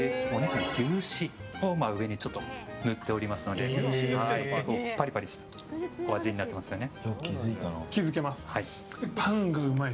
牛脂を上にちょっと塗っておりますので結構パリパリしたお味になるんですよね。